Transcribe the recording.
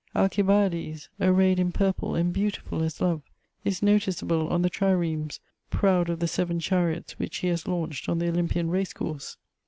Alcibiades, arrayed in purple and beautiful as Love, is noticeable on the triremes, proud of the seven chariots which he has launched on the Olympian race course.